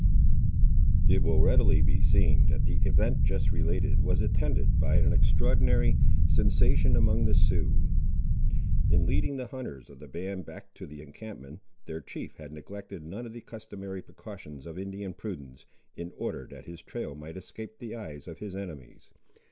It will readily be seen that the event just related was attended by an extraordinary sensation among the Siouxes. In leading the hunters of the band back to the encampment, their chief had neglected none of the customary precautions of Indian prudence, in order that his trail might escape the eyes of his enemies.